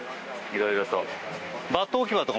いろいろと。